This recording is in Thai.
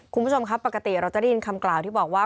คุณผู้ชมครับปกติเราจะได้ยินคำกล่าวที่บอกว่า